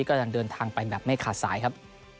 ก็ยังเดินทางไปแบบไม่ขาดสายครับ